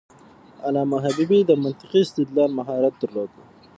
علامه حبيبي د منطقي استدلال مهارت درلود.